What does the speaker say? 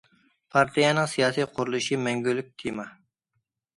پارتىيەنىڭ سىياسىي قۇرۇلۇشى مەڭگۈلۈك تېما.